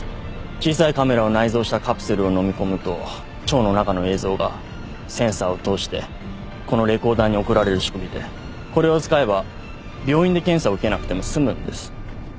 小さいカメラを内蔵したカプセルをのみ込むと腸の中の映像がセンサーを通してこのレコーダーに送られる仕組みでこれを使えば病院で検査を受けなくても済むんです。